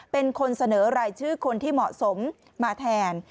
เป็นคนเสนอรายชื่อคนที่เหมาะสมมาแทน